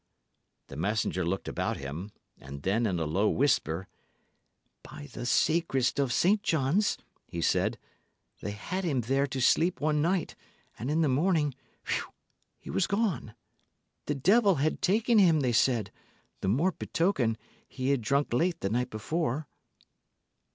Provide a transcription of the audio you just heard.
The messenger looked about him; and then, in a low whisper, "By the sacrist of St. John's," he said. "They had him there to sleep one night, and in the morning whew! he was gone. The devil had taken him, they said; the more betoken, he had drunk late the night before."